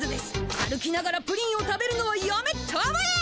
歩きながらプリンを食べるのはやめたまえ！